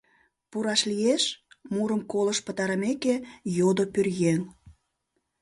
— Пураш лиеш? — мурым колышт пытарымеке, йодо пӧръеҥ.